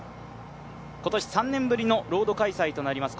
今年３年ぶりのロード開催となります